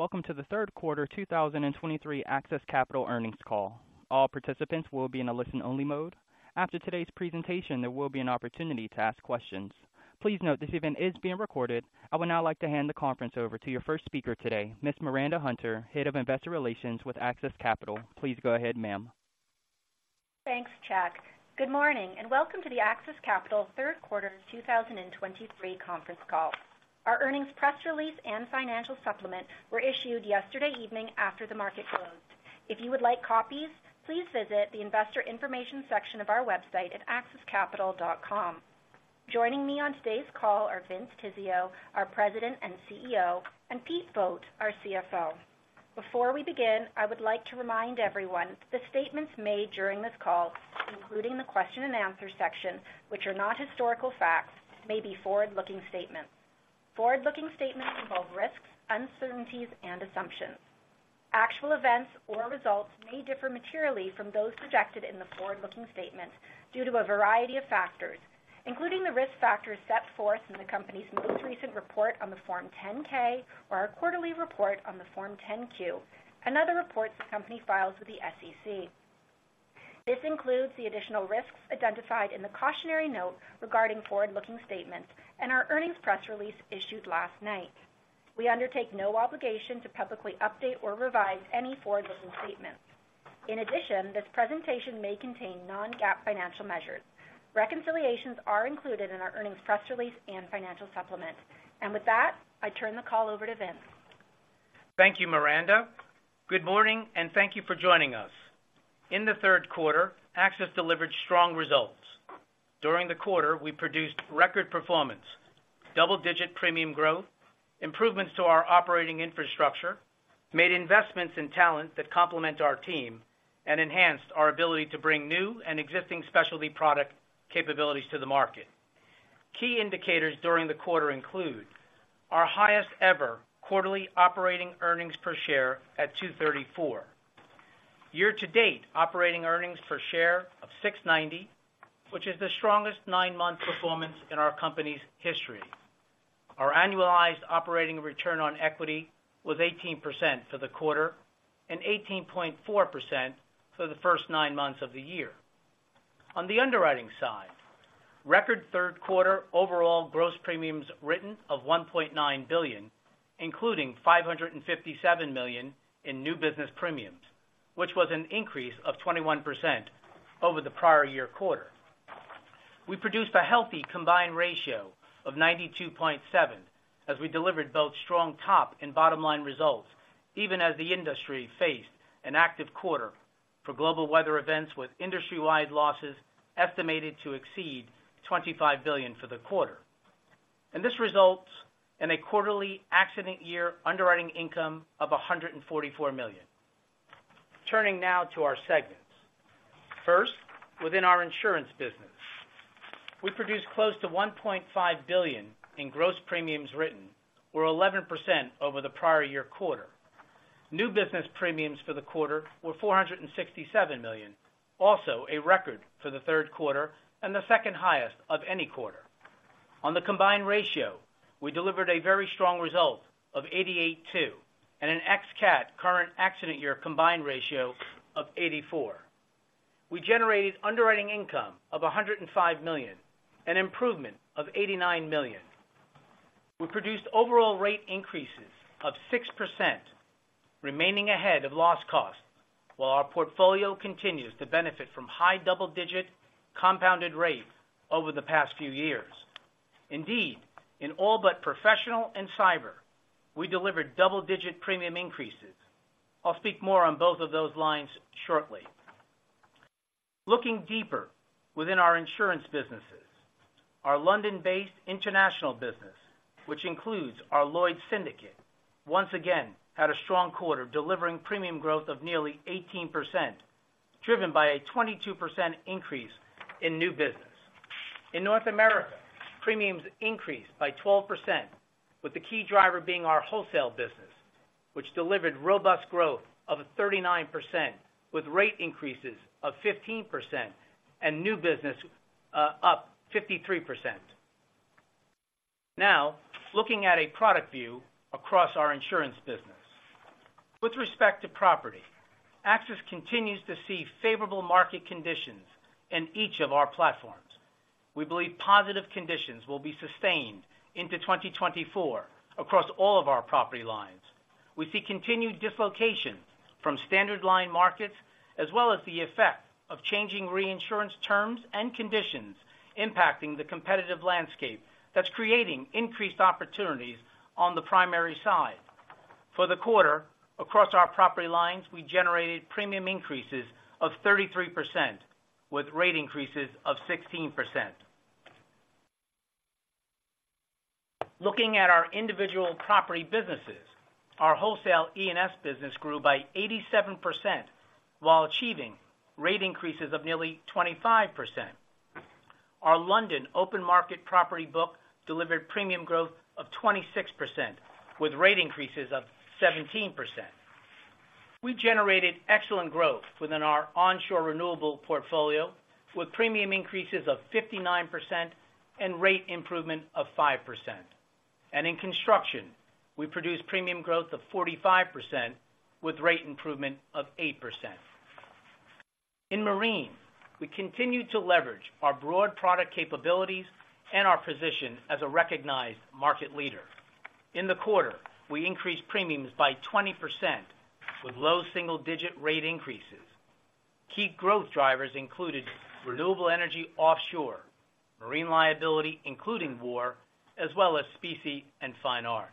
Hello, and welcome to the Q3 2023 AXIS Capital earnings call. All participants will be in a listen-only mode. After today's presentation, there will be an opportunity to ask questions. Please note, this event is being recorded. I would now like to hand the conference over to your first speaker today, Miss Miranda Hunter, Head of Investor Relations with AXIS Capital. Please go ahead, ma'am. Thanks, Chuck. Good morning, and welcome to the AXIS Capital Q3 2023 conference call. Our earnings press release and financial supplement were issued yesterday evening after the market closed. If you would like copies, please visit the investor information section of our website at AXIScapital.com. Joining me on today's call are Vince Tizzio, our President and CEO, and Pete Vogt, our CFO. Before we begin, I would like to remind everyone that the statements made during this call, including the question and answer section, which are not historical facts, may be forward-looking statements. Forward-looking statements involve risks, uncertainties and assumptions. Actual events or results may differ materially from those projected in the forward-looking statements due to a variety of factors, including the risk factors set forth in the company's most recent report on the Form 10-K or our quarterly report on the Form 10-Q, and other reports the company files with the SEC. This includes the additional risks identified in the cautionary note regarding forward-looking statements and our earnings press release issued last night. We undertake no obligation to publicly update or revise any forward-looking statements. In addition, this presentation may contain non-GAAP financial measures. Reconciliations are included in our earnings press release and financial supplement. With that, I turn the call over to Vince. Thank you, Miranda. Good morning, and thank you for joining us. In the Q3, AXIS delivered strong results. During the quarter, we produced record performance, double-digit premium growth, improvements to our operating infrastructure, made investments in talent that complement our team, and enhanced our ability to bring new and existing specialty product capabilities to the market. Key indicators during the quarter include our highest ever quarterly operating earnings per share at $2.34. Year-to-date operating earnings per share of $6.90, which is the strongest nine-month performance in our company's history. Our annualized operating return on equity was 18% for the quarter and 18.4% for the first nine months of the year. On the underwriting side, record Q3 overall gross premiums written of $1.9 billion, including $557 million in new business premiums, which was an increase of 21% over the prior year quarter. We produced a healthy combined ratio of 92.7, as we delivered both strong top and bottom-line results, even as the industry faced an active quarter for global weather events, with industry-wide losses estimated to exceed $25 billion for the quarter. And this results in a quarterly accident year underwriting income of $144 million. Turning now to our segments. First, within our insurance business, we produced close to $1.5 billion in gross premiums written, or 11% over the prior year quarter. New business premiums for the quarter were $467 million, also a record for the Q3 and the second highest of any quarter. On the combined ratio, we delivered a very strong result of 88.2% and an ex-cat current accident year combined ratio of 84%. We generated underwriting income of $105 million, an improvement of $89 million. We produced overall rate increases of 6%, remaining ahead of loss costs, while our portfolio continues to benefit from high double-digit compounded rates over the past few years. Indeed, in all but professional and cyber, we delivered double-digit premium increases. I'll speak more on both of those lines shortly. Looking deeper within our insurance businesses, our London-based international business, which includes our Lloyd's Syndicate, once again had a strong quarter, delivering premium growth of nearly 18%, driven by a 22% increase in new business. In North America, premiums increased by 12%, with the key driver being our wholesale business, which delivered robust growth of 39%, with rate increases of 15% and new business up 53%. Now, looking at a product view across our insurance business. With respect to property, AXIS continues to see favorable market conditions in each of our platforms. We believe positive conditions will be sustained into 2024 across all of our property lines. We see continued dislocation from standard line markets, as well as the effect of changing reinsurance terms and conditions impacting the competitive landscape that's creating increased opportunities on the primary side. For the quarter, across our property lines, we generated premium increases of 33%, with rate increases of 16%. Looking at our individual property businesses, our wholesale E&S business grew by 87% while achieving rate increases of nearly 25%. Our London open market property book delivered premium growth of 26%, with rate increases of 17%.... We've generated excellent growth within our onshore renewable portfolio, with premium increases of 59% and rate improvement of 5%. And in construction, we produced premium growth of 45% with rate improvement of 8%. In marine, we continued to leverage our broad product capabilities and our position as a recognized market leader. In the quarter, we increased premiums by 20% with low single-digit rate increases. Key growth drivers included renewable energy offshore, marine liability, including war, as well as specie and fine art.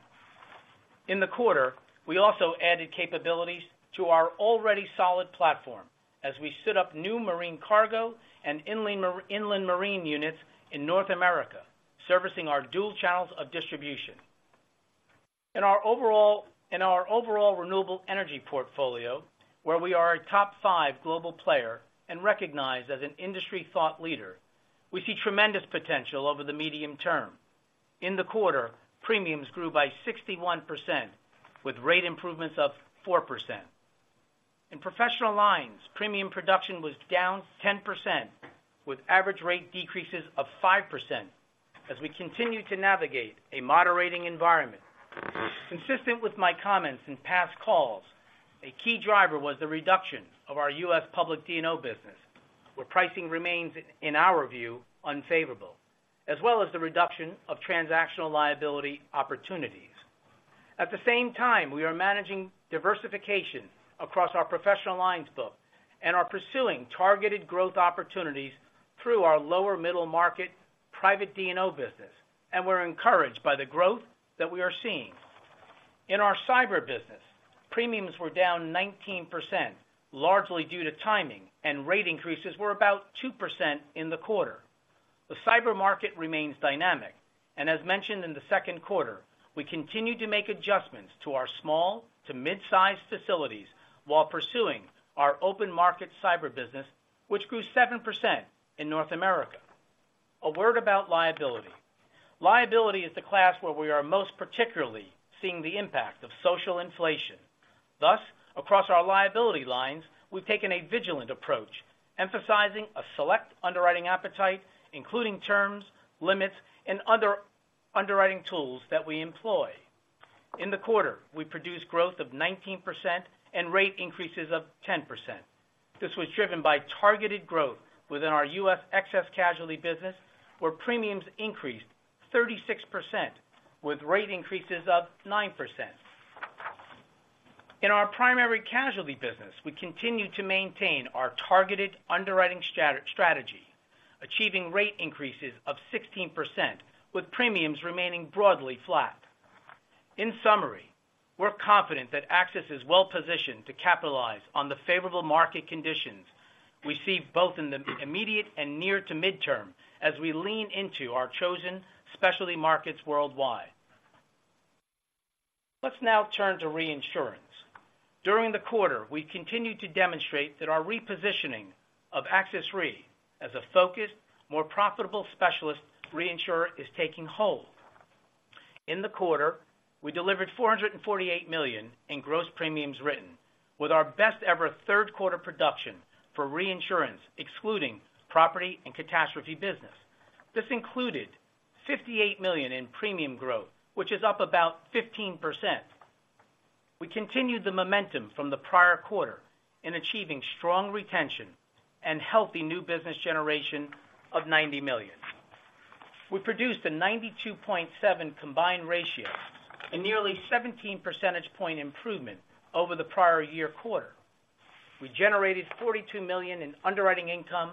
In the quarter, we also added capabilities to our already solid platform as we stood up new marine cargo and inland marine units in North America, servicing our dual channels of distribution. In our overall renewable energy portfolio, where we are a top five global player and recognized as an industry thought leader, we see tremendous potential over the medium term. In the quarter, premiums grew by 61%, with rate improvements of 4%. In professional lines, premium production was down 10%, with average rate decreases of 5% as we continue to navigate a moderating environment. Consistent with my comments in past calls, a key driver was the reduction of our U.S. public D&O business, where pricing remains, in our view, unfavorable, as well as the reduction of transactional liability opportunities. At the same time, we are managing diversification across our professional lines book and are pursuing targeted growth opportunities through our lower middle market, private D&O business, and we're encouraged by the growth that we are seeing. In our cyber business, premiums were down 19%, largely due to timing, and rate increases were about 2% in the quarter. The cyber market remains dynamic, and as mentioned in the Q2, we continue to make adjustments to our small to mid-size facilities while pursuing our open market cyber business, which grew 7% in North America. A word about liability. Liability is the class where we are most particularly seeing the impact of social inflation. Thus, across our liability lines, we've taken a vigilant approach, emphasizing a select underwriting appetite, including terms, limits, and other underwriting tools that we employ. In the quarter, we produced growth of 19% and rate increases of 10%. This was driven by targeted growth within our U.S. excess casualty business, where premiums increased 36% with rate increases of 9%. In our primary casualty business, we continue to maintain our targeted underwriting strategy, achieving rate increases of 16%, with premiums remaining broadly flat. In summary, we're confident that AXIS is well-positioned to capitalize on the favorable market conditions we see both in the immediate and near to midterm as we lean into our chosen specialty markets worldwide. Let's now turn to reinsurance. During the quarter, we continued to demonstrate that our repositioning of AXIS Re as a focused, more profitable specialist reinsurer is taking hold. In the quarter, we delivered $448 million in gross premiums written, with our best ever Q3 production for reinsurance, excluding property and catastrophe business. This included $58 million in premium growth, which is up about 15%. We continued the momentum from the prior quarter in achieving strong retention and healthy new business generation of $90 million. We produced a 92.7 combined ratio, a nearly 17 percentage point improvement over the prior year quarter. We generated $42 million in underwriting income,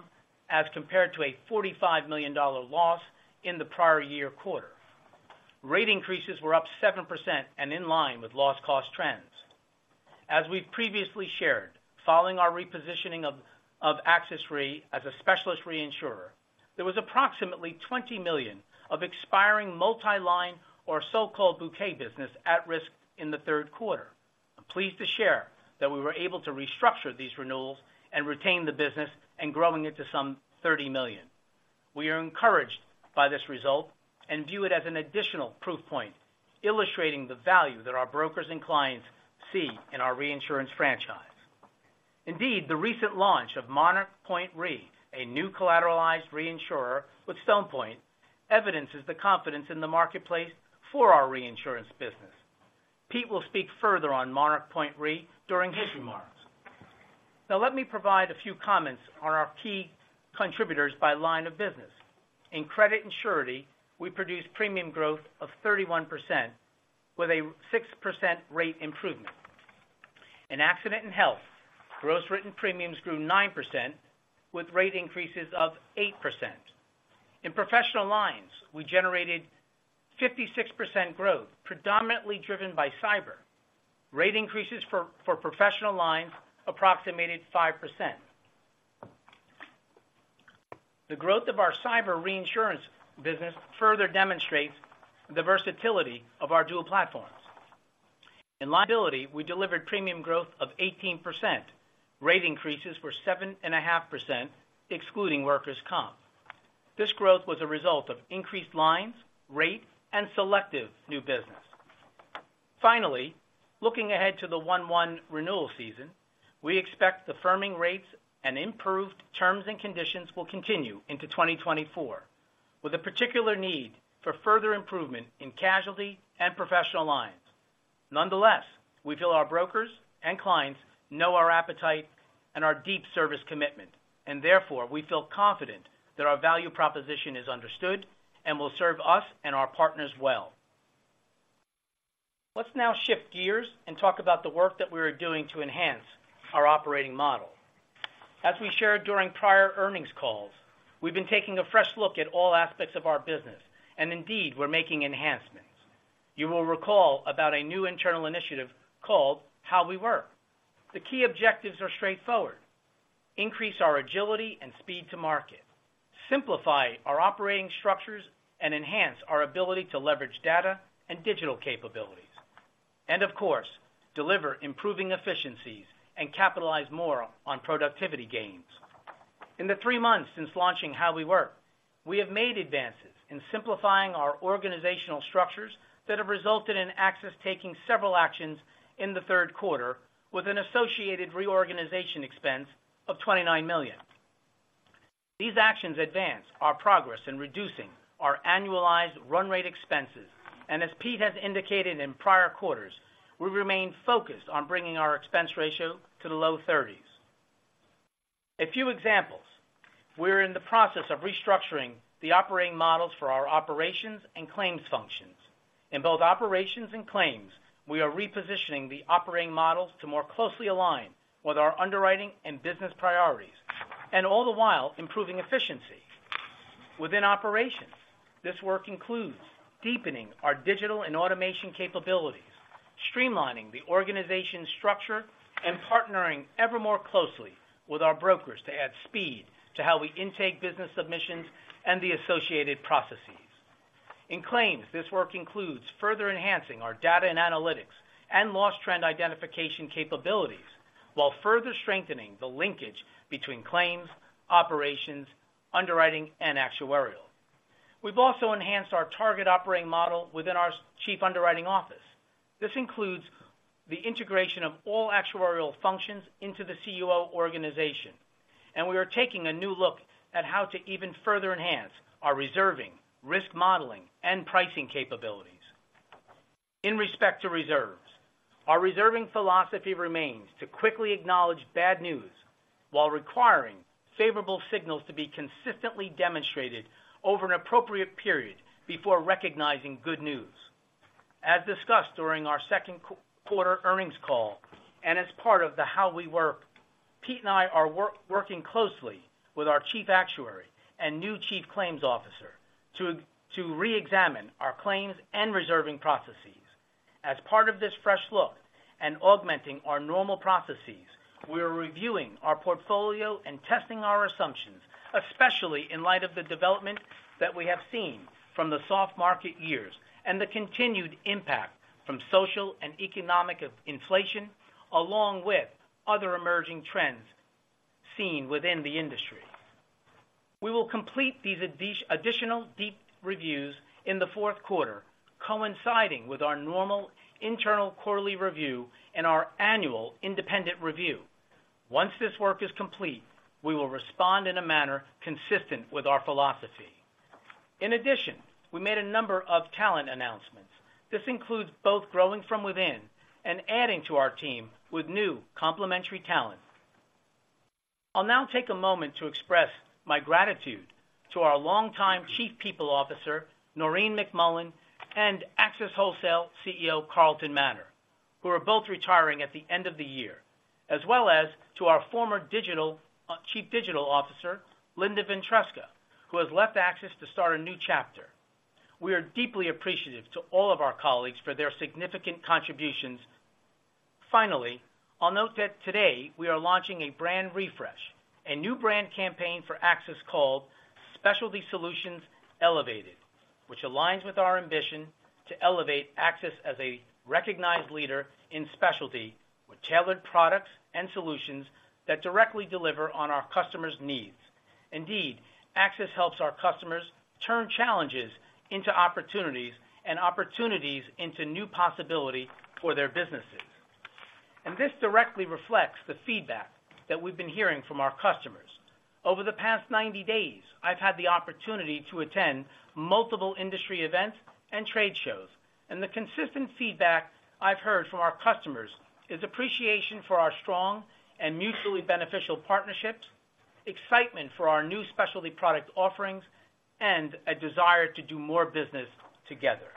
as compared to a $45 million loss in the prior year quarter. Rate increases were up 7% and in line with loss cost trends. As we've previously shared, following our repositioning of AXIS Re as a specialist reinsurer, there was approximately $20 million of expiring multi-line or so-called bouquet business at risk in the Q3. I'm pleased to share that we were able to restructure these renewals and retain the business and growing it to some $30 million. We are encouraged by this result and view it as an additional proof point, illustrating the value that our brokers and clients see in our reinsurance franchise. Indeed, the recent launch of Monarch Point Re, a new collateralized reinsurer with Stone Point, evidences the confidence in the marketplace for our reinsurance business. Pete will speak further on Monarch Point Re during his remarks. Now, let me provide a few comments on our key contributors by line of business. In credit and surety, we produced premium growth of 31% with a 6% rate improvement. In accident and health, gross written premiums grew 9%, with rate increases of 8%. In professional lines, we generated 56% growth, predominantly driven by cyber. Rate increases for professional lines approximated 5%. The growth of our cyber reinsurance business further demonstrates the versatility of our dual platforms. In liability, we delivered premium growth of 18%. Rate increases were 7.5%, excluding workers' comp. This growth was a result of increased lines, rate, and selective new business. Finally, looking ahead to the 1/1 renewal season, we expect the firming rates and improved terms and conditions will continue into 2024, with a particular need for further improvement in casualty and professional lines. Nonetheless, we feel our brokers and clients know our appetite and our deep service commitment, and therefore, we feel confident that our value proposition is understood and will serve us and our partners well. Let's now shift gears and talk about the work that we are doing to enhance our operating model. As we shared during prior earnings calls, we've been taking a fresh look at all aspects of our business, and indeed, we're making enhancements. You will recall about a new internal initiative called How We Work. The key objectives are straightforward, increase our agility and speed to market, simplify our operating structures, and enhance our ability to leverage data and digital capabilities, and of course, deliver improving efficiencies and capitalize more on productivity gains. In the three months since launching How We Work, we have made advances in simplifying our organizational structures that have resulted in AXIS taking several actions in the Q3 with an associated reorganization expense of $29 million. These actions advance our progress in reducing our annualized run rate expenses, and as Pete has indicated in prior quarters, we remain focused on bringing our expense ratio to the low 30s. A few examples, we're in the process of restructuring the operating models for our operations and claims functions. In both operations and claims, we are repositioning the operating models to more closely align with our underwriting and business priorities, and all the while, improving efficiency. Within operations, this work includes deepening our digital and automation capabilities, streamlining the organization structure, and partnering ever more closely with our brokers to add speed to how we intake business submissions and the associated processes. In claims, this work includes further enhancing our data and analytics, and loss trend identification capabilities, while further strengthening the linkage between claims, operations, underwriting, and actuarial. We've also enhanced our target operating model within our Chief Underwriting Office. This includes the integration of all actuarial functions into the CUO organization, and we are taking a new look at how to even further enhance our reserving, risk modeling, and pricing capabilities. In respect to reserves, our reserving philosophy remains to quickly acknowledge bad news while requiring favorable signals to be consistently demonstrated over an appropriate period before recognizing good news. As discussed during our Q2 earnings call, and as part of the How We Work, Pete and I are working closely with our chief actuary and new chief claims officer to reexamine our claims and reserving processes. As part of this fresh look and augmenting our normal processes, we are reviewing our portfolio and testing our assumptions, especially in light of the development that we have seen from the soft market years and the continued impact from social and economic inflation, along with other emerging trends seen within the industry. We will complete these additional deep reviews in the Q4, coinciding with our normal internal quarterly review and our annual independent review. Once this work is complete, we will respond in a manner consistent with our philosophy. In addition, we made a number of talent announcements. This includes both growing from within and adding to our team with new complementary talent. I'll now take a moment to express my gratitude to our longtime Chief People Officer, Noreen McMullan, and AXIS Wholesale CEO, Carlton Maner, who are both retiring at the end of the year, as well as to our former digital, Chief Digital Officer, Linda Ventresca, who has left AXIS to start a new chapter. We are deeply appreciative to all of our colleagues for their significant contributions. Finally, I'll note that today we are launching a brand refresh, a new brand campaign for AXIS called Specialty Solutions Elevated, which aligns with our ambition to elevate AXIS as a recognized leader in specialty, with tailored products and solutions that directly deliver on our customers' needs. Indeed, AXIS helps our customers turn challenges into opportunities and opportunities into new possibility for their businesses. And this directly reflects the feedback that we've been hearing from our customers. Over the past 90 days, I've had the opportunity to attend multiple industry events and trade shows, and the consistent feedback I've heard from our customers is appreciation for our strong and mutually beneficial partnerships, excitement for our new specialty product offerings, and a desire to do more business together.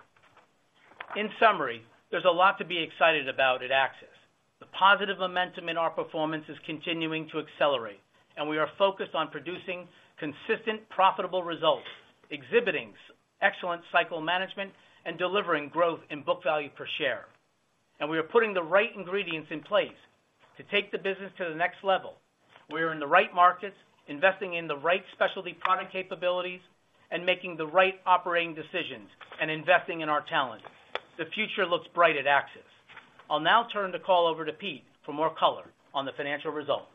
In summary, there's a lot to be excited about at AXIS. The positive momentum in our performance is continuing to accelerate, and we are focused on producing consistent, profitable results, exhibiting excellent cycle management and delivering growth in book value per share. And we are putting the right ingredients in place to take the business to the next level. We are in the right markets, investing in the right specialty product capabilities, and making the right operating decisions, and investing in our talent. The future looks bright at AXIS... I'll now turn the call over to Pete for more color on the financial results.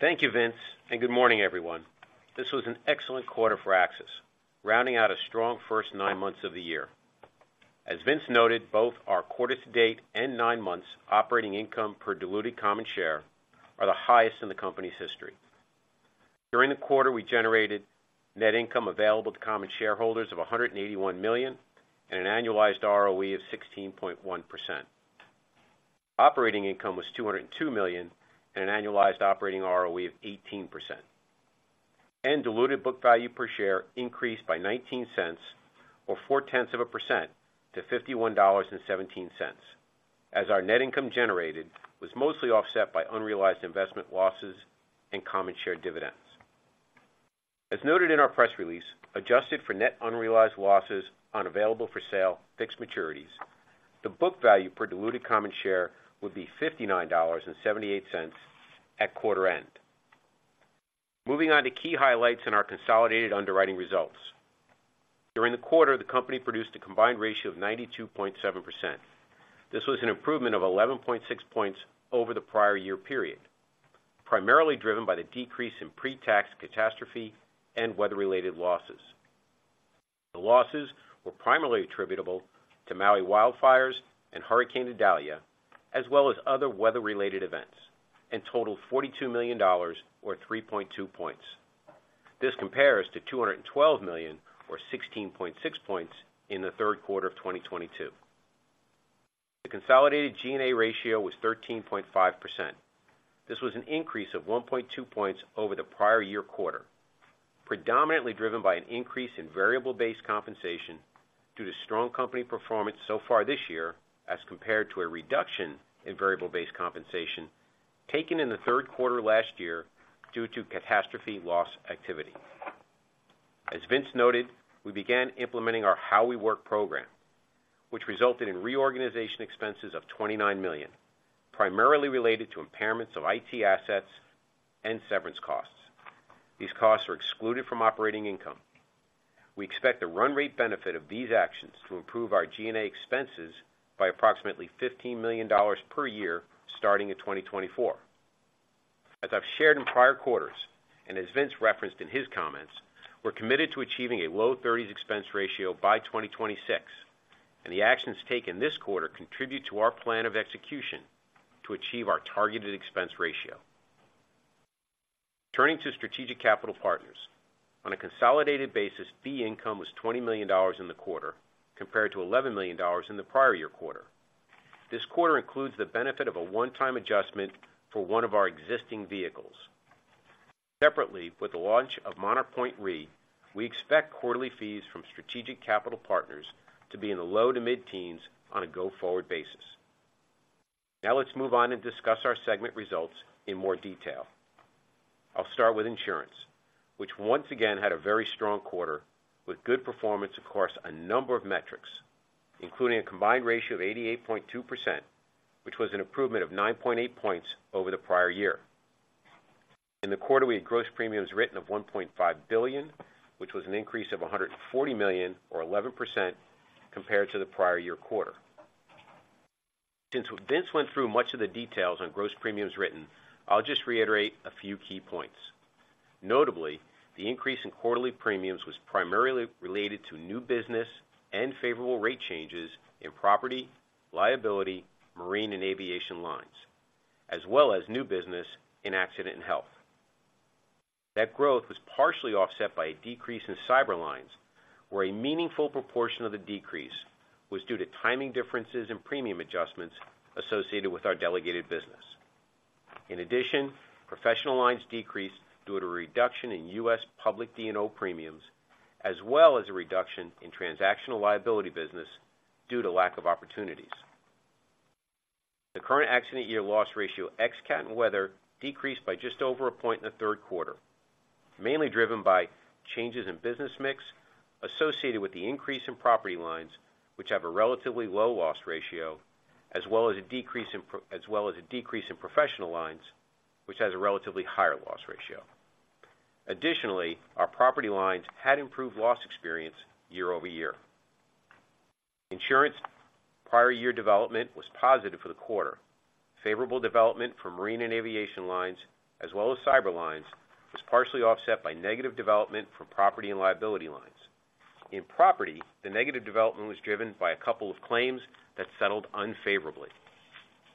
Thank you, Vince, and good morning, everyone. This was an excellent quarter for AXIS, rounding out a strong first nine months of the year. As Vince noted, both our quarter to date and nine months operating income per diluted common share are the highest in the company's history. During the quarter, we generated net income available to common shareholders of $181 million, and an annualized ROE of 16.1%. Operating income was $202 million, and an annualized operating ROE of 18%. Diluted book value per share increased by $0.19, or 0.4%, to $51.17, as our net income generated was mostly offset by unrealized investment losses and common share dividends. As noted in our press release, adjusted for net unrealized losses on available-for-sale fixed maturities, the book value per diluted common share would be $59.78 at quarter end. Moving on to key highlights in our consolidated underwriting results. During the quarter, the company produced a combined ratio of 92.7%. This was an improvement of 11.6 points over the prior year period, primarily driven by the decrease in pre-tax catastrophe and weather-related losses. The losses were primarily attributable to Maui wildfires and Hurricane Idalia, as well as other weather-related events, and totaled $42 million or 3.2 points. This compares to $212 million, or 16.6 points, in the Q3 of 2022. The consolidated G&A ratio was 13.5%. This was an increase of 1.2 points over the prior year quarter, predominantly driven by an increase in variable-based compensation due to strong company performance so far this year, as compared to a reduction in variable-based compensation taken in the Q3 last year due to catastrophe loss activity. As Vince noted, we began implementing our How We Work program, which resulted in reorganization expenses of $29 million, primarily related to impairments of IT assets and severance costs. These costs are excluded from operating income. We expect the run rate benefit of these actions to improve our G&A expenses by approximately $15 million per year, starting in 2024. As I've shared in prior quarters, and as Vince referenced in his comments, we're committed to achieving a low-30s expense ratio by 2026, and the actions taken this quarter contribute to our plan of execution to achieve our targeted expense ratio. Turning to Strategic Capital Partners. On a consolidated basis, fee income was $20 million in the quarter, compared to $11 million in the prior year quarter. This quarter includes the benefit of a one-time adjustment for one of our existing vehicles. Separately, with the launch of Monarch Point Re, we expect quarterly fees from Strategic Capital Partners to be in the low- to mid-teens on a go-forward basis. Now, let's move on and discuss our segment results in more detail. I'll start with insurance, which once again, had a very strong quarter with good performance across a number of metrics, including a combined ratio of 88.2%, which was an improvement of 9.8 points over the prior year. In the quarter, we had gross premiums written of $1.5 billion, which was an increase of $140 million, or 11%, compared to the prior year quarter. Since Vince went through much of the details on gross premiums written, I'll just reiterate a few key points. Notably, the increase in quarterly premiums was primarily related to new business and favorable rate changes in property, liability, marine, and aviation lines, as well as new business in accident and health. That growth was partially offset by a decrease in cyber lines, where a meaningful proportion of the decrease was due to timing differences and premium adjustments associated with our delegated business. In addition, professional lines decreased due to a reduction in U.S. public D&O premiums, as well as a reduction in transactional liability business due to lack of opportunities. The current accident year loss ratio, ex-cat and weather, decreased by just over a point in the Q3, mainly driven by changes in business mix associated with the increase in property lines, which have a relatively low loss ratio, as well as a decrease in professional lines, which has a relatively higher loss ratio. Additionally, our property lines had improved loss experience year-over-year. Insurance prior year development was positive for the quarter. Favorable development for marine and aviation lines, as well as cyber lines, was partially offset by negative development from property and liability lines. In property, the negative development was driven by a couple of claims that settled unfavorably.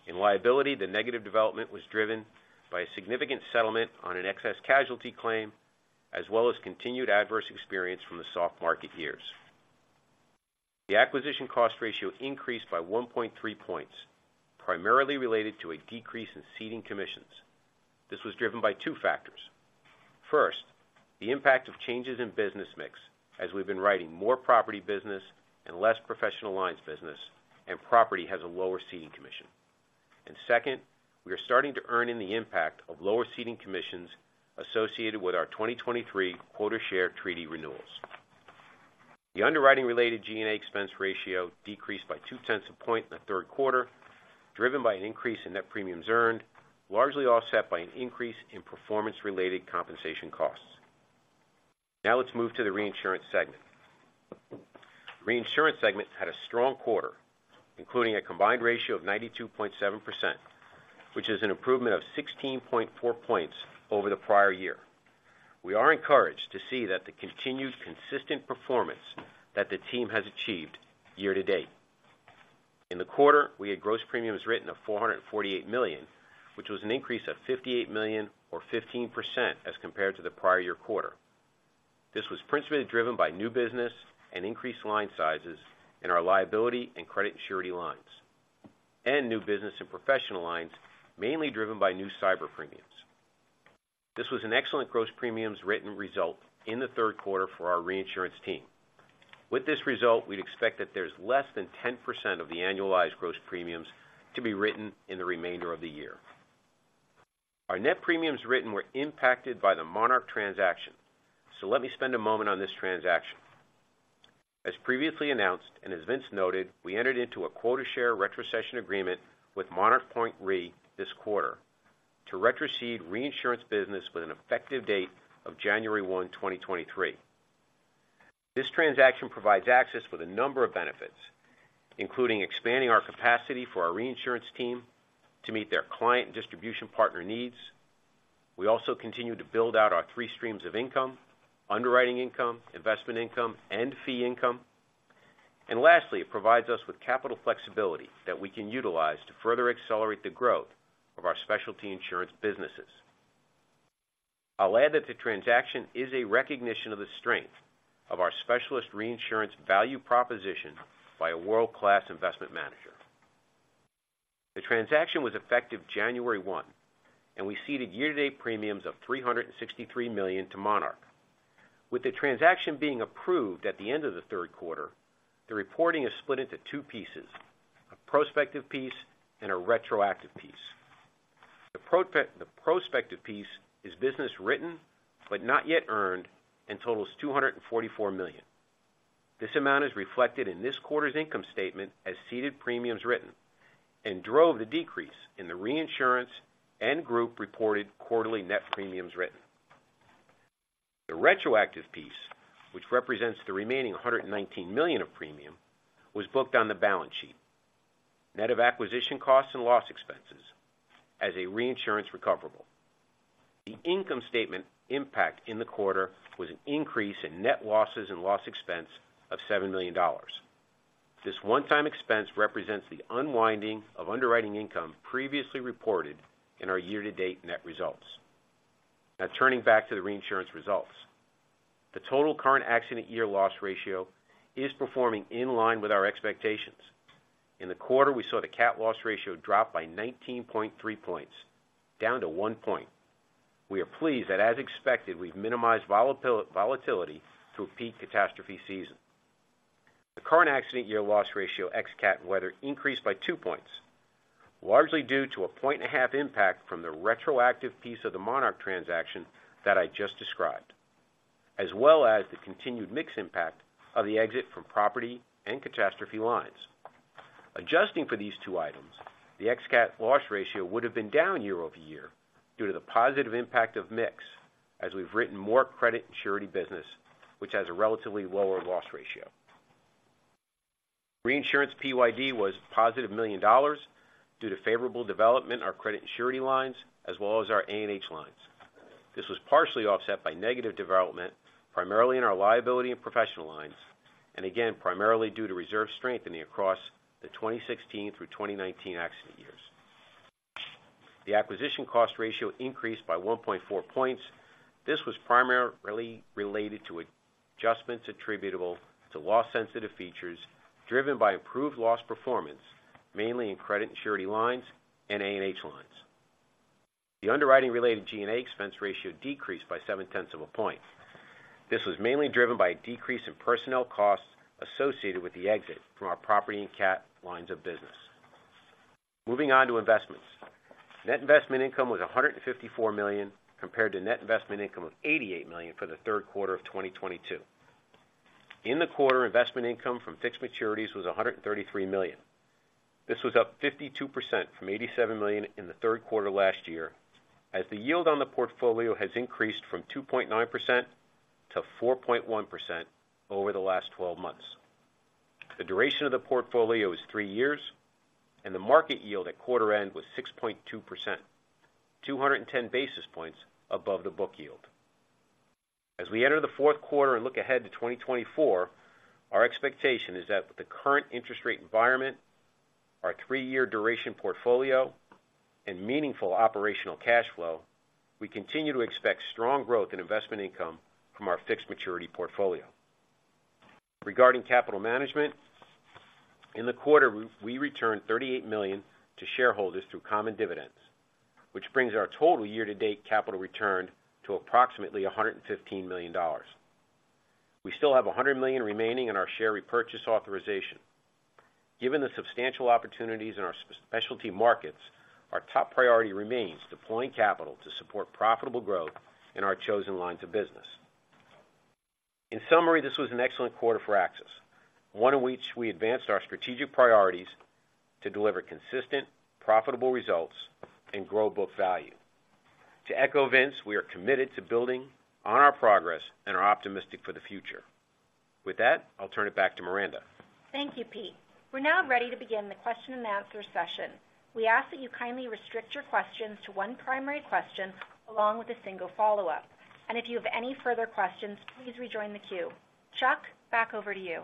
In liability, the negative development was driven by a significant settlement on an excess casualty claim, as well as continued adverse experience from the soft market years. The acquisition cost ratio increased by 1.3 points, primarily related to a decrease in ceding commissions. This was driven by two factors. First, the impact of changes in business mix, as we've been writing more property business and less professional lines business, and property has a lower ceding commission. And second, we are starting to earn in the impact of lower ceding commissions associated with our 2023 quota share treaty renewals. The underwriting-related G&A expense ratio decreased by 0.2 point in the Q3, driven by an increase in net premiums earned, largely offset by an increase in performance-related compensation costs. Now let's move to the reinsurance segment. Reinsurance segment had a strong quarter, including a combined ratio of 92.7%, which is an improvement of 16.4 points over the prior year. We are encouraged to see that the continued consistent performance that the team has achieved year-to-date. In the quarter, we had gross premiums written of $448 million, which was an increase of $58 million or 15% as compared to the prior year quarter. This was principally driven by new business and increased line sizes in our liability and credit surety lines, and new business and professional lines, mainly driven by new cyber premiums. This was an excellent gross premiums written result in the Q3 for our reinsurance team. With this result, we'd expect that there's less than 10% of the annualized gross premiums to be written in the remainder of the year. Our net premiums written were impacted by the Monarch transaction, so let me spend a moment on this transaction. As previously announced, and as Vince noted, we entered into a quota share retrocession agreement with Monarch Point Re this quarter to retrocede reinsurance business with an effective date of January 1, 2023. This transaction provides access with a number of benefits, including expanding our capacity for our reinsurance team to meet their client and distribution partner needs. We also continue to build out our three streams of income, underwriting income, investment income, and fee income. And lastly, it provides us with capital flexibility that we can utilize to further accelerate the growth of our specialty insurance businesses. I'll add that the transaction is a recognition of the strength of our specialist reinsurance value proposition by a world-class investment manager. The transaction was effective January 1, and we ceded year-to-date premiums of $363 million to Monarch. With the transaction being approved at the end of the Q3, the reporting is split into two pieces: a prospective piece and a retroactive piece. The prospective piece is business written but not yet earned, and totals $244 million. This amount is reflected in this quarter's income statement as ceded premiums written and drove the decrease in the reinsurance and group-reported quarterly net premiums written. The retroactive piece, which represents the remaining $119 million of premium, was booked on the balance sheet, net of acquisition costs and loss expenses as a reinsurance recoverable. The income statement impact in the quarter was an increase in net losses and loss expense of $7 million. This one-time expense represents the unwinding of underwriting income previously reported in our year-to-date net results. Now, turning back to the reinsurance results. The total current accident year loss ratio is performing in line with our expectations. In the quarter, we saw the cat loss ratio drop by 19.3 points, down to 1 point. We are pleased that, as expected, we've minimized volatility through a peak catastrophe season. The current accident year loss ratio, ex-cat and weather, increased by 2 points, largely due to a 1.5-point impact from the retroactive piece of the Monarch transaction that I just described, as well as the continued mix impact of the exit from property and catastrophe lines. Adjusting for these 2 items, the ex cat loss ratio would have been down year-over-year due to the positive impact of mix as we've written more credit and surety business, which has a relatively lower loss ratio. Reinsurance PYD was a positive $1 million due to favorable development in our credit and surety lines, as well as our A&H lines. This was partially offset by negative development, primarily in our liability and professional lines, and again, primarily due to reserve strengthening across the 2016-2019 accident years. The acquisition cost ratio increased by 1.4 points. This was primarily related to adjustments attributable to loss-sensitive features, driven by improved loss performance, mainly in credit and surety lines and A&H lines. The underwriting-related G&A expense ratio decreased by 0.7 of a point. This was mainly driven by a decrease in personnel costs associated with the exit from our property and cat lines of business. Moving on to investments. Net investment income was $154 million, compared to net investment income of $88 million for the Q3 of 2022. In the quarter, investment income from fixed maturities was $133 million. This was up 52% from $87 million in the Q3 last year, as the yield on the portfolio has increased from 2.9% to 4.1% over the last 12 months. The duration of the portfolio is 3 years, and the market yield at quarter end was 6.2%, 210 basis points above the book yield. As we enter the Q4 and look ahead to 2024, our expectation is that with the current interest rate environment, our three-year duration portfolio, and meaningful operational cash flow, we continue to expect strong growth in investment income from our fixed maturity portfolio. Regarding capital management, in the quarter, we returned $38 million to shareholders through common dividends, which brings our total year-to-date capital return to approximately $115 million. We still have $100 million remaining in our share repurchase authorization. Given the substantial opportunities in our specialty markets, our top priority remains deploying capital to support profitable growth in our chosen lines of business. In summary, this was an excellent quarter for AXIS, one in which we advanced our strategic priorities... to deliver consistent, profitable results and grow book value. To echo Vince, we are committed to building on our progress and are optimistic for the future. With that, I'll turn it back to Miranda. Thank you, Pete. We're now ready to begin the question and answer session. We ask that you kindly restrict your questions to one primary question, along with a single follow-up. If you have any further questions, please rejoin the queue. Chuck, back over to you.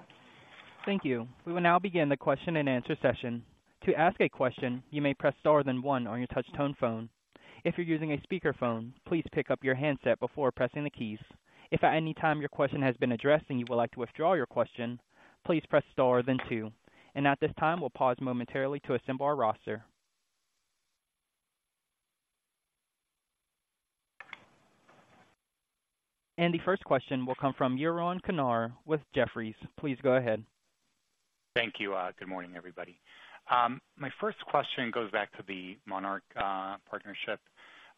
Thank you. We will now begin the question and answer session. To ask a question, you may press star then one on your touch tone phone. If you're using a speakerphone, please pick up your handset before pressing the keys. If at any time your question has been addressed and you would like to withdraw your question, please press star then two. At this time, we'll pause momentarily to assemble our roster. The first question will come from Yaron Kinar with Jefferies. Please go ahead. Thank you. Good morning, everybody. My first question goes back to the Monarch partnership.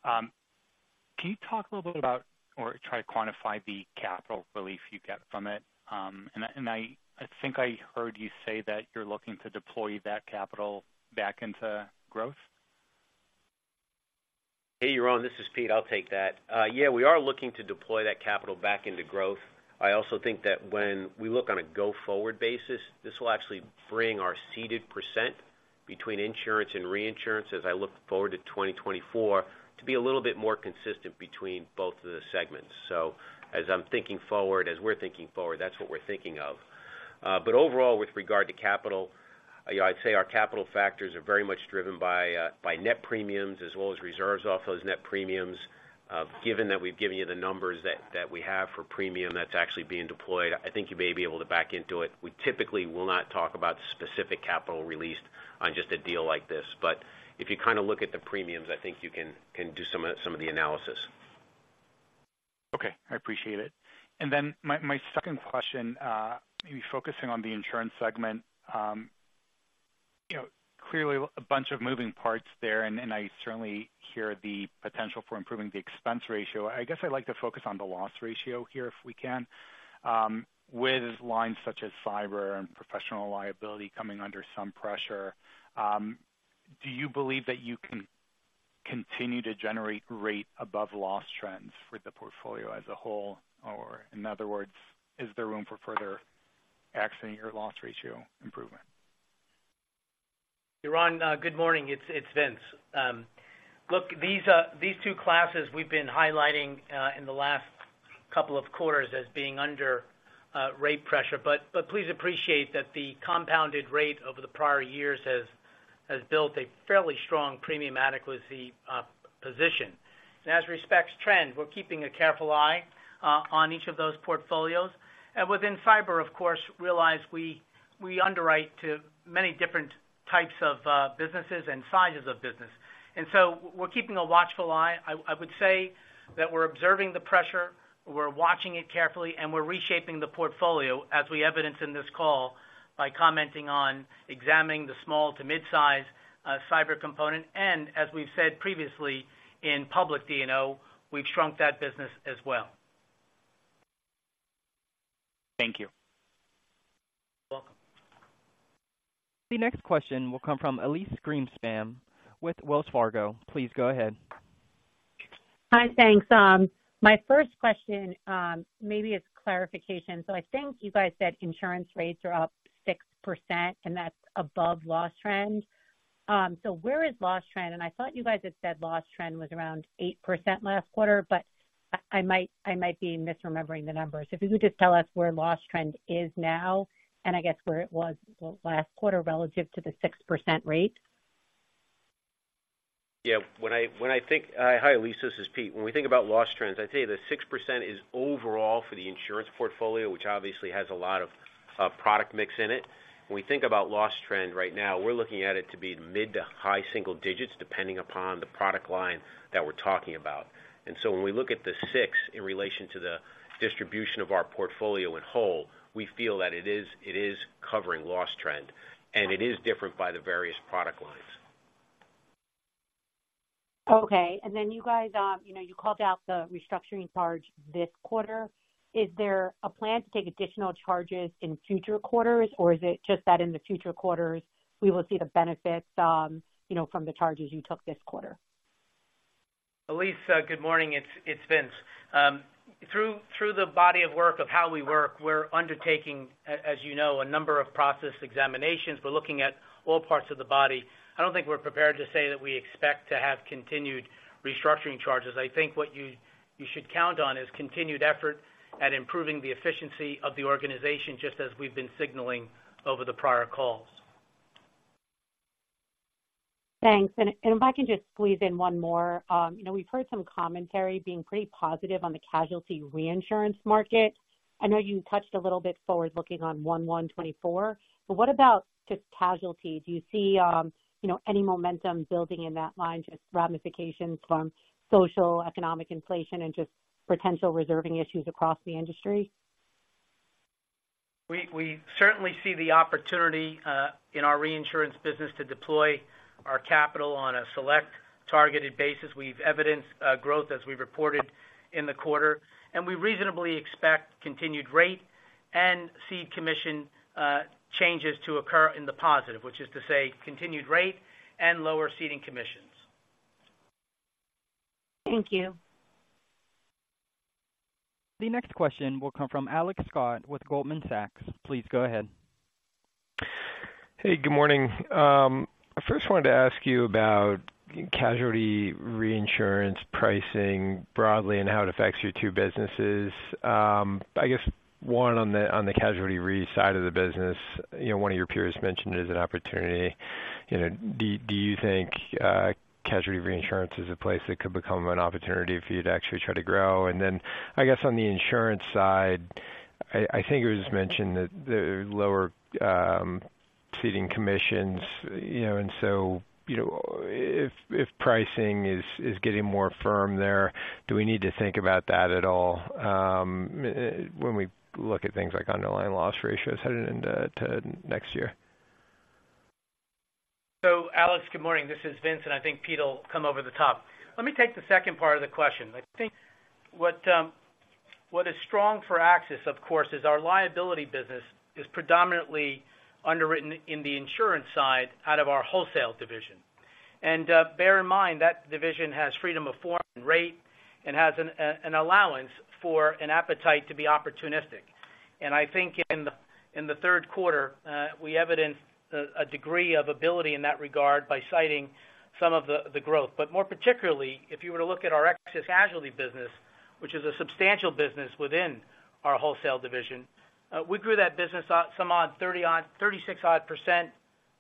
Can you talk a little bit about, or try to quantify the capital relief you get from it? And I think I heard you say that you're looking to deploy that capital back into growth. Hey, Yaron, this is Pete. I'll take that. Yeah, we are looking to deploy that capital back into growth. I also think that when we look on a go-forward basis, this will actually bring our ceded percent between insurance and reinsurance as I look forward to 2024, to be a little bit more consistent between both of the segments. So as I'm thinking forward, as we're thinking forward, that's what we're thinking of. But overall, with regard to capital, you know, I'd say our capital factors are very much driven by net premiums as well as reserves off those net premiums. Given that we've given you the numbers that we have for premium that's actually being deployed, I think you may be able to back into it. We typically will not talk about specific capital released on just a deal like this. If you kind of look at the premiums, I think you can do some of the analysis. Okay, I appreciate it. And then my second question, maybe focusing on the insurance segment. You know, clearly a bunch of moving parts there, and I certainly hear the potential for improving the expense ratio. I guess I'd like to focus on the loss ratio here, if we can. With lines such as cyber and professional liability coming under some pressure, do you believe that you can continue to generate rate above loss trends for the portfolio as a whole? Or in other words, is there room for further accident or loss ratio improvement? Yaron, good morning. It's Vince. Look, these two classes we've been highlighting in the last couple of quarters as being under rate pressure. But please appreciate that the compounded rate over the prior years has built a fairly strong premium adequacy position. And as respects trend, we're keeping a careful eye on each of those portfolios. And within cyber, of course, realize we underwrite to many different types of businesses and sizes of business. And so we're keeping a watchful eye. I would say that we're observing the pressure, we're watching it carefully, and we're reshaping the portfolio as we evidence in this call, by commenting on examining the small to mid-size cyber component. And as we've said previously in public D&O, we've shrunk that business as well. Thank you. Welcome. The next question will come from Elyse Greenspan with Wells Fargo. Please go ahead. Hi, thanks. My first question, maybe it's clarification. So I think you guys said insurance rates are up 6%, and that's above loss trend. So where is loss trend? And I thought you guys had said loss trend was around 8% last quarter, but I might be misremembering the numbers. If you could just tell us where loss trend is now and I guess where it was last quarter relative to the 6% rate. Yeah, when I think, hi, Elyse, this is Pete. When we think about loss trends, I'd say the 6% is overall for the insurance portfolio, which obviously has a lot of product mix in it. When we think about loss trend right now, we're looking at it to be mid to high single digits, depending upon the product line that we're talking about. And so when we look at the six in relation to the distribution of our portfolio in whole, we feel that it is covering loss trend, and it is different by the various product lines. Okay, and then you guys, you know, you called out the restructuring charge this quarter. Is there a plan to take additional charges in future quarters, or is it just that in the future quarters, we will see the benefits, you know, from the charges you took this quarter? Elyse, good morning. It's Vince. Through the body of work of How We Work, we're undertaking, as you know, a number of process examinations. We're looking at all parts of the body. I don't think we're prepared to say that we expect to have continued restructuring charges. I think what you should count on is continued effort at improving the efficiency of the organization, just as we've been signaling over the prior calls. Thanks. And if I can just squeeze in one more. You know, we've heard some commentary being pretty positive on the casualty reinsurance market. I know you touched a little bit forward looking on 2024, but what about just casualty? Do you see, you know, any momentum building in that line, just ramifications from social, economic inflation and just potential reserving issues across the industry? We, we certainly see the opportunity in our reinsurance business to deploy our capital on a select targeted basis. We've evidenced growth as we reported in the quarter, and we reasonably expect continued rate-... and ceding commission changes to occur in the positive, which is to say, continued rate and lower ceding commissions. Thank you. The next question will come from Alex Scott with Goldman Sachs. Please go ahead. Hey, good morning. I first wanted to ask you about casualty reinsurance pricing broadly and how it affects your two businesses. I guess, one, on the casualty re side of the business, you know, one of your peers mentioned it as an opportunity. You know, do you think casualty reinsurance is a place that could become an opportunity for you to actually try to grow? And then, I guess, on the insurance side, I think it was mentioned that the lower ceding commissions, you know, and so, you know, if pricing is getting more firm there, do we need to think about that at all, when we look at things like underlying loss ratios headed into next year? So, Alex, good morning. This is Vince, and I think Pete will come over the top. Let me take the second part of the question. I think what, what is strong for AXIS, of course, is our liability business is predominantly underwritten in the insurance side out of our wholesale division. And, bear in mind, that division has freedom of form and rate and has an allowance for an appetite to be opportunistic. And I think in the Q3, we evidenced a degree of ability in that regard by citing some of the growth. But more particularly, if you were to look at our excess casualty business, which is a substantial business within our wholesale division, we grew that business out some odd 36 odd%,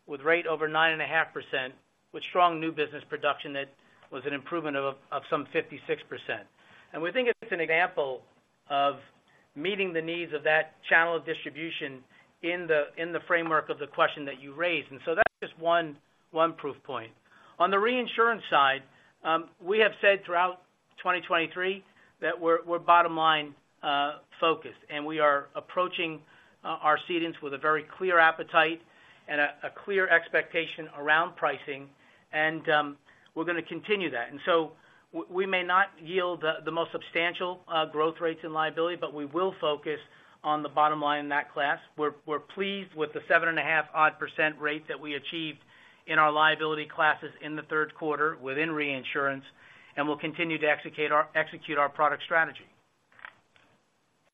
with rate over 9.5%, with strong new business production that was an improvement of some 56%. And we think it's an example of meeting the needs of that channel of distribution in the framework of the question that you raised. And so that's just one proof point. On the reinsurance side, we have said throughout 2023 that we're bottom line focused, and we are approaching our cedents with a very clear appetite and a clear expectation around pricing. And we're gonna continue that. And so we may not yield the most substantial growth rates in liability, but we will focus on the bottom line in that class. We're pleased with the 7.5-odd% rate that we achieved in our liability classes in the Q3 within reinsurance, and we'll continue to execute our product strategy.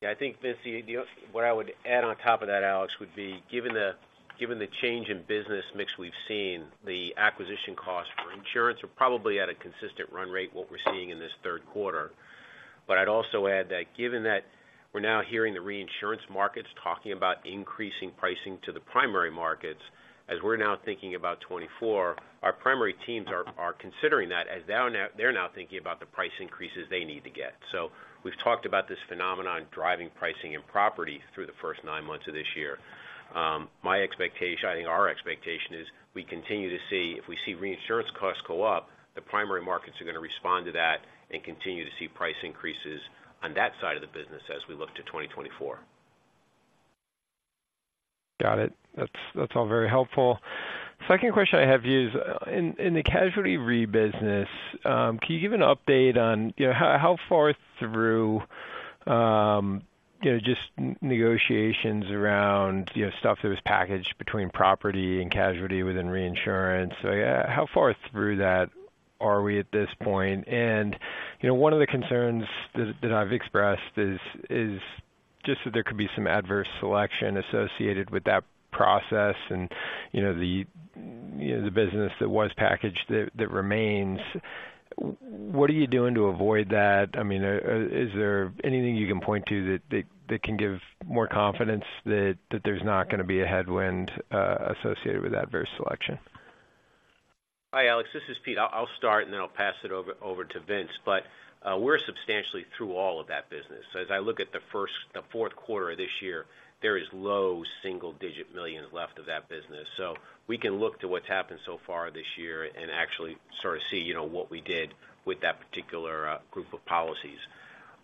Yeah, I think, Vince, the only—what I would add on top of that, Alex, would be, given the change in business mix we've seen, the acquisition costs for insurance are probably at a consistent run rate, what we're seeing in this Q3. But I'd also add that given that we're now hearing the reinsurance markets talking about increasing pricing to the primary markets, as we're now thinking about 2024, our primary teams are considering that, as of now—they're now thinking about the price increases they need to get. So we've talked about this phenomenon, driving pricing and property through the first nine months of this year. My expectation—I think our expectation is we continue to see, if we see reinsurance costs go up, the primary markets are going to respond to that and continue to see price increases on that side of the business as we look to 2024. Got it. That's, that's all very helpful. Second question I have for you is, in, in the casualty re business, can you give an update on, you know, how, how far through, you know, just negotiations around, you know, stuff that was packaged between property and casualty within reinsurance? So, yeah, how far through that are we at this point? And, you know, one of the concerns that, that I've expressed is, is just that there could be some adverse selection associated with that process and, you know, the, you know, the business that was packaged that, that remains. What are you doing to avoid that? I mean, is there anything you can point to that, that, that can give more confidence that, that there's not gonna be a headwind, associated with that adverse selection? Hi, Alex, this is Pete. I'll start, and then I'll pass it over to Vince. But we're substantially through all of that business. So as I look at the Q4 of this year, there is $ low single-digit millions left of that business. So we can look to what's happened so far this year and actually sort of see, you know, what we did with that particular group of policies.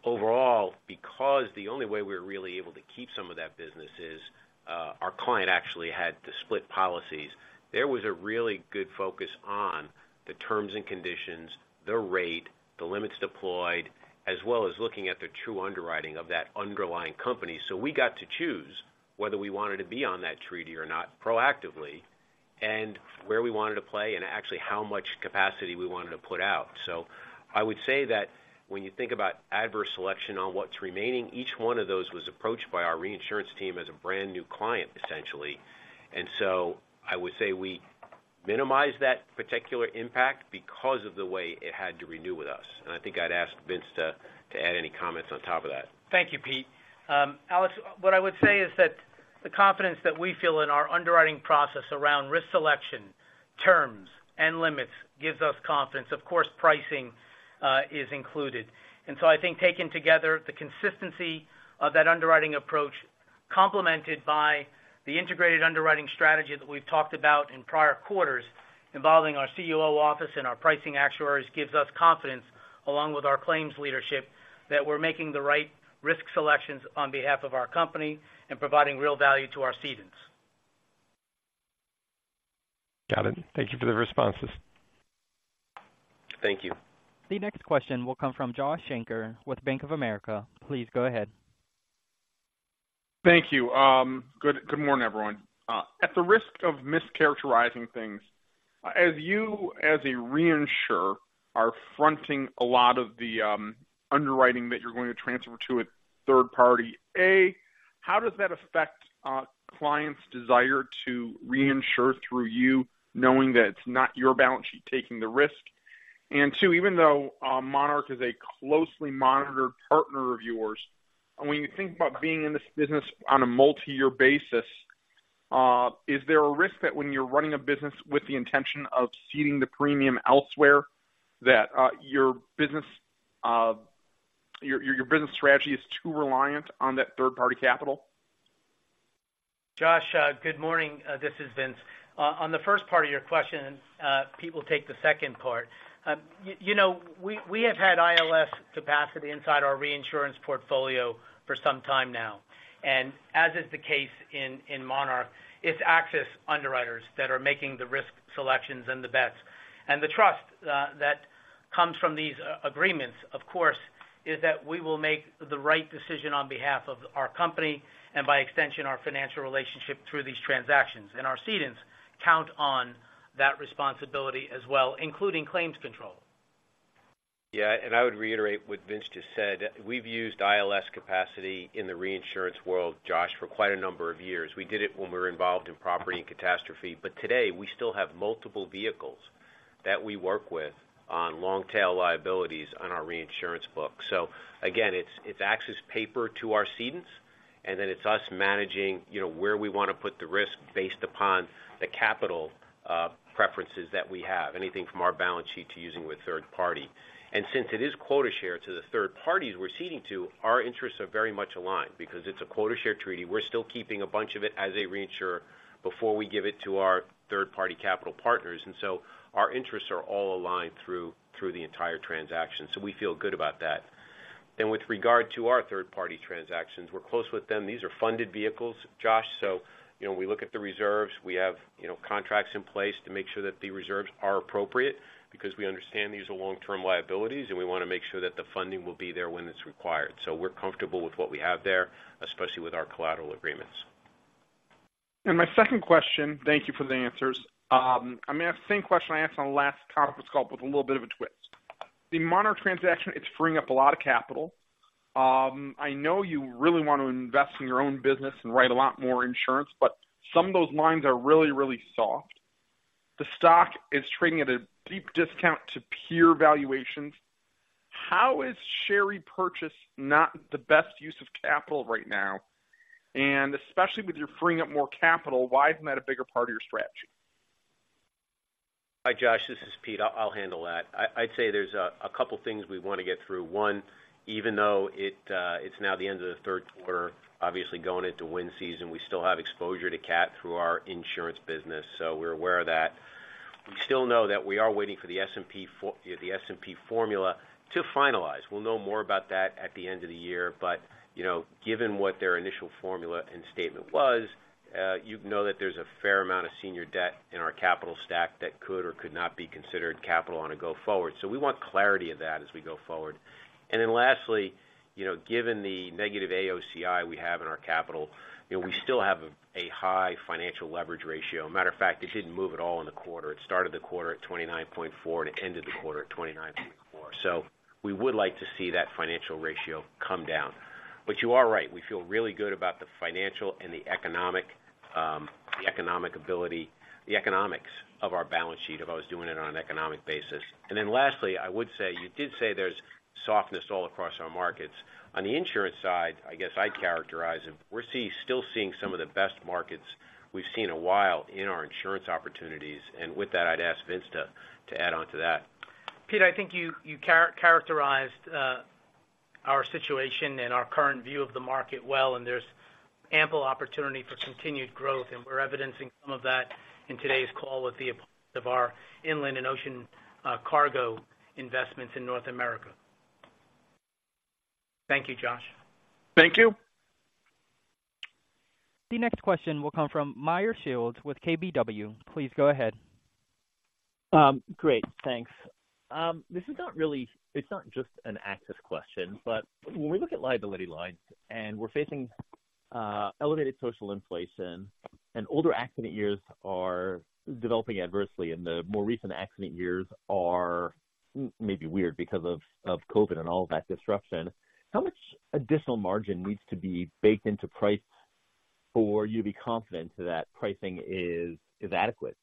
Overall, because the only way we're really able to keep some of that business is our client actually had to split policies, there was a really good focus on the terms and conditions, the rate, the limits deployed, as well as looking at the true underwriting of that underlying company. So we got to choose whether we wanted to be on that treaty or not, proactively, and where we wanted to play and actually how much capacity we wanted to put out. So I would say that when you think about adverse selection on what's remaining, each one of those was approached by our reinsurance team as a brand-new client, essentially. And so I would say we minimized that particular impact because of the way it had to renew with us. And I think I'd ask Vince to, to add any comments on top of that. Thank you, Pete. Alex, what I would say is that the confidence that we feel in our underwriting process around risk selection, terms, and limits gives us confidence. Of course, pricing is included. And so I think taken together, the consistency of that underwriting approach, complemented by the integrated underwriting strategy that we've talked about in prior quarters, involving our CUO office and our pricing actuaries, gives us confidence, along with our claims leadership, that we're making the right risk selections on behalf of our company and providing real value to our cedants.... Got it. Thank you for the responses. Thank you. The next question will come from Josh Shanker with Bank of America. Please go ahead. Thank you. Good, good morning, everyone. At the risk of mischaracterizing things, as you, as a reinsurer, are fronting a lot of the underwriting that you're going to transfer to a third party, A, how does that affect clients' desire to reinsure through you, knowing that it's not your balance sheet taking the risk? And two, even though Monarch is a closely monitored partner of yours, when you think about being in this business on a multi-year basis, is there a risk that when you're running a business with the intention of ceding the premium elsewhere, that your business, your business strategy is too reliant on that third-party capital? Josh, good morning, this is Vince. On the first part of your question, and Pete will take the second part. You know, we have had ILS capacity inside our reinsurance portfolio for some time now, and as is the case in Monarch, it's AXIS underwriters that are making the risk selections and the bets. And the trust that comes from these agreements, of course, is that we will make the right decision on behalf of our company and by extension, our financial relationship through these transactions. And our cedents count on that responsibility as well, including claims control. Yeah, and I would reiterate what Vince just said. We've used ILS capacity in the reinsurance world, Josh, for quite a number of years. We did it when we were involved in property and catastrophe, but today, we still have multiple vehicles that we work with on long-tail liabilities on our reinsurance book. So again, it's, it's excess paper to our cedents, and then it's us managing, you know, where we want to put the risk based upon the capital preferences that we have, anything from our balance sheet to using with third party. And since it is quota share to the third parties we're ceding to, our interests are very much aligned. Because it's a quota share treaty, we're still keeping a bunch of it as a reinsurer before we give it to our third-party capital partners, and so our interests are all aligned through, through the entire transaction, so we feel good about that. And with regard to our third-party transactions, we're close with them. These are funded vehicles, Josh. So you know, we look at the reserves. We have, you know, contracts in place to make sure that the reserves are appropriate because we understand these are long-term liabilities, and we want to make sure that the funding will be there when it's required. So we're comfortable with what we have there, especially with our collateral agreements. My second question, thank you for the answers. I'm going to ask the same question I asked on the last conference call with a little bit of a twist. The Monarch transaction, it's freeing up a lot of capital. I know you really want to invest in your own business and write a lot more insurance, but some of those lines are really, really soft. The stock is trading at a deep discount to peer valuations. How is share repurchase not the best use of capital right now? And especially with you freeing up more capital, why isn't that a bigger part of your strategy? Hi, Josh, this is Pete. I'll handle that. I'd say there's a couple things we want to get through. One, even though it's now the end of the Q3, obviously going into wind season, we still have exposure to cat through our insurance business, so we're aware of that. We still know that we are waiting for the S&P formula to finalize. We'll know more about that at the end of the year, but you know, given what their initial formula and statement was, you'd know that there's a fair amount of senior debt in our capital stack that could or could not be considered capital on a go-forward. So we want clarity of that as we go forward. And then lastly, you know, given the negative AOCI we have in our capital, you know, we still have a high financial leverage ratio. Matter of fact, it didn't move at all in the quarter. It started the quarter at 29.4 and ended the quarter at 29.4. So we would like to see that financial ratio come down. But you are right, we feel really good about the financial and the economic, the economic ability, the economics of our balance sheet if I was doing it on an economic basis. And then lastly, I would say, you did say there's softness all across our markets. On the insurance side, I guess I'd characterize it, we're still seeing some of the best markets we've seen in a while in our insurance opportunities, and with that, I'd ask Vince to add on to that. Pete, I think you characterized our situation and our current view of the market well, and there's ample opportunity for continued growth, and we're evidencing some of that in today's call with the launch of our inland and ocean cargo investments in North America. Thank you, Josh. Thank you. The next question will come from Meyer Shields with KBW. Please go ahead. Great, thanks. This is not really, it's not just an AXIS question, but when we look at liability lines and we're facing elevated social inflation and older accident years are developing adversely, and the more recent accident years are maybe weird because of COVID and all of that disruption, how much additional margin needs to be baked into price for you to be confident that pricing is adequate?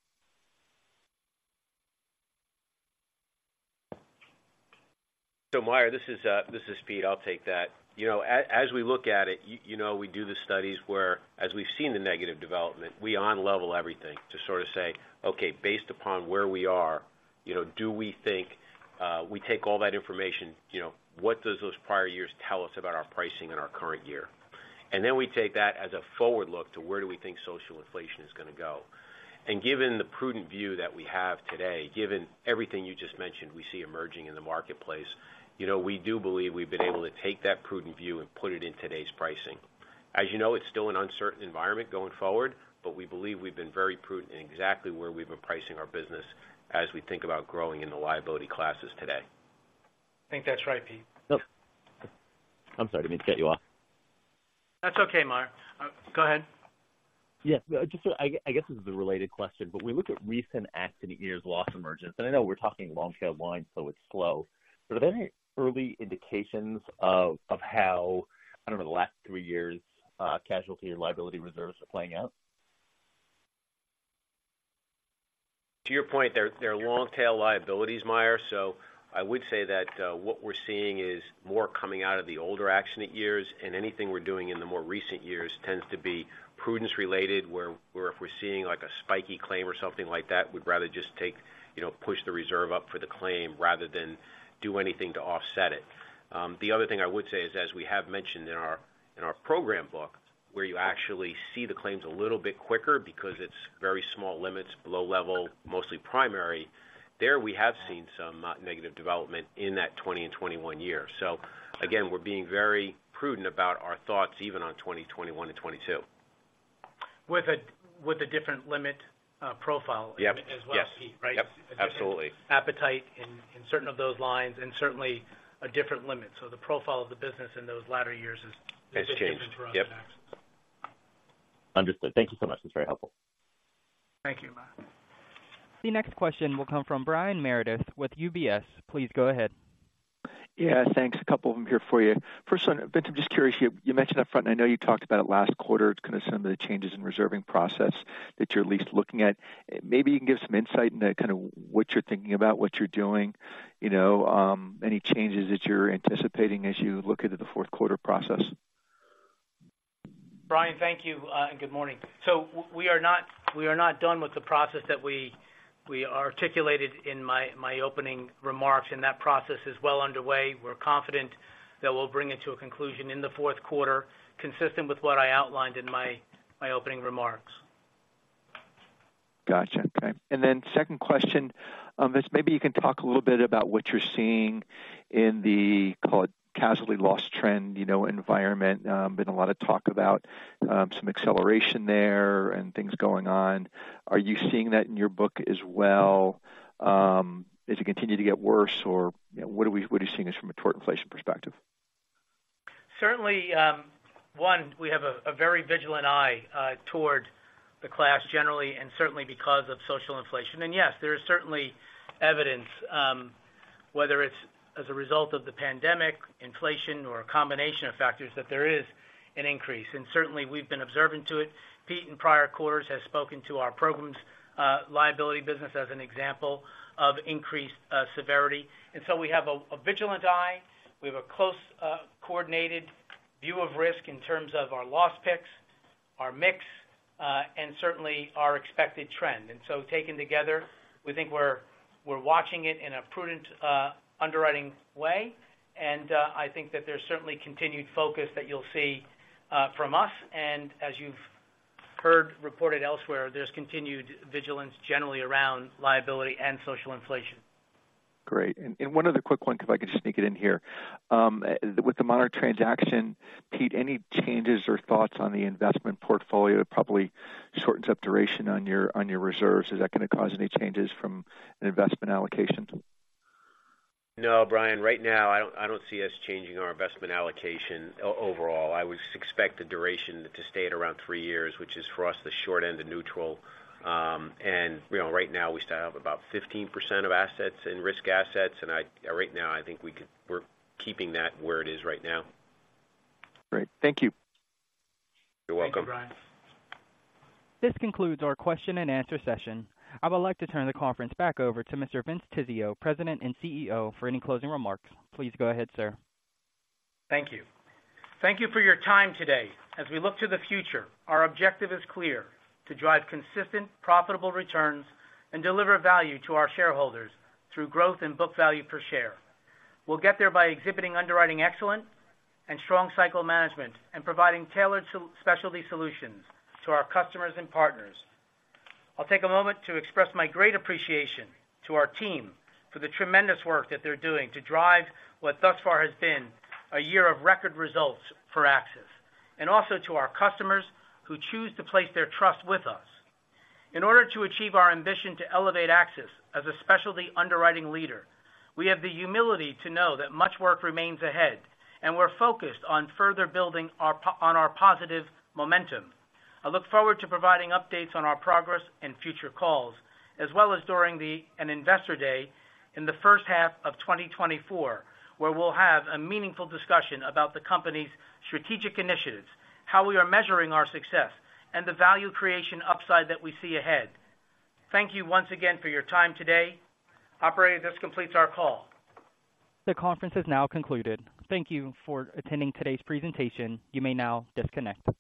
So Meyer, this is, this is Pete. I'll take that. You know, as, as we look at it, you know, we do the studies where, as we've seen the negative development, we on level everything to sort of say, okay, based upon where we are, you know, do we think, we take all that information, you know, what does those prior years tell us about our pricing in our current year? And then we take that as a forward look to where do we think social inflation is going to go. Given the prudent view that we have today, given everything you just mentioned, we see emerging in the marketplace, you know, we do believe we've been able to take that prudent view and put it in today's pricing. As you know, it's still an uncertain environment going forward, but we believe we've been very prudent in exactly where we've been pricing our business as we think about growing in the liability classes today. I think that's right, Pete. Oh, I'm sorry, didn't mean to cut you off. That's okay, Meyer. Go ahead. Yes, just so I, I guess this is a related question, but we look at recent accident years, loss emergence, and I know we're talking long tail line, so it's slow. But are there any early indications of, of how, I don't know, the last three years, casualty and liability reserves are playing out? To your point, they're long tail liabilities, Meyer. So I would say that what we're seeing is more coming out of the older accident years, and anything we're doing in the more recent years tends to be prudence related, where if we're seeing like a spiky claim or something like that, we'd rather just take, you know, push the reserve up for the claim rather than do anything to offset it. The other thing I would say is, as we have mentioned in our program book, where you actually see the claims a little bit quicker because it's very small limits, low level, mostly primary. There, we have seen some negative development in that 2020 and 2021 year. So again, we're being very prudent about our thoughts, even on 2021 and 2022. With a different limit, profile- Yep. as well, Pete, right? Yep, absolutely. Appetite in certain of those lines, and certainly a different limit. The profile of the business in those latter years is- Has changed, yep. Yep. Understood. Thank you so much. That's very helpful. Thank you, Meyer. The next question will come from Brian Meredith with UBS. Please go ahead. Yeah, thanks. A couple of them here for you. First one, Vince, I'm just curious, you mentioned upfront, and I know you talked about it last quarter, it's kind of some of the changes in reserving process that you're at least looking at. Maybe you can give some insight into kind of what you're thinking about, what you're doing, you know, any changes that you're anticipating as you look into the Q4 process. Brian, thank you, and good morning. So we are not done with the process that we articulated in my opening remarks, and that process is well underway. We're confident that we'll bring it to a conclusion in the Q4, consistent with what I outlined in my opening remarks. Gotcha. Okay, and then second question, is maybe you can talk a little bit about what you're seeing in the, call it, casualty loss trend, you know, environment. Been a lot of talk about, some acceleration there and things going on. Are you seeing that in your book as well? Does it continue to get worse, or, you know, what are you seeing as from a tort inflation perspective? Certainly, one, we have a very vigilant eye toward the class generally, and certainly because of social inflation. And yes, there is certainly evidence, whether it's as a result of the pandemic, inflation, or a combination of factors, that there is an increase, and certainly we've been observant to it. Pete, in prior quarters, has spoken to our programs, liability business, as an example of increased, severity. And so we have a vigilant eye. We have a close, coordinated view of risk in terms of our loss picks, our mix, and certainly our expected trend. And so taken together, we think we're watching it in a prudent, underwriting way. And, I think that there's certainly continued focus that you'll see, from us. And as you've heard reported elsewhere, there's continued vigilance generally around liability and social inflation. Great. And one other quick one, if I could just sneak it in here. With the Monarch transaction, Pete, any changes or thoughts on the investment portfolio? It probably shortens up duration on your reserves. Is that gonna cause any changes from an investment allocation? No, Brian, right now, I don't, I don't see us changing our investment allocation overall. I would expect the duration to stay at around three years, which is, for us, the short end of neutral. You know, right now we still have about 15% of assets in risk assets, and right now, I think we're keeping that where it is right now. Great. Thank you. You're welcome. Thank you, Brian. This concludes our question and answer session. I would like to turn the conference back over to Mr. Vince Tizzio, President and CEO, for any closing remarks. Please go ahead, sir. Thank you. Thank you for your time today. As we look to the future, our objective is clear: to drive consistent, profitable returns and deliver value to our shareholders through growth and book value per share. We'll get there by exhibiting underwriting excellence and strong cycle management, and providing tailored specialty solutions to our customers and partners. I'll take a moment to express my great appreciation to our team for the tremendous work that they're doing to drive what thus far has been a year of record results for AXIS, and also to our customers who choose to place their trust with us. In order to achieve our ambition to elevate AXIS as a specialty underwriting leader, we have the humility to know that much work remains ahead, and we're focused on further building on our positive momentum. I look forward to providing updates on our progress in future calls, as well as during an Investor Day in the H1 of 2024, where we'll have a meaningful discussion about the company's strategic initiatives, how we are measuring our success, and the value creation upside that we see ahead. Thank you once again for your time today. Operator, this completes our call. The conference has now concluded. Thank you for attending today's presentation. You may now disconnect.